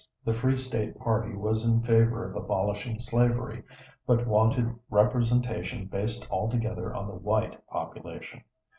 The Free State party was in favor of abolishing slavery, but wanted representation based altogether on the white population.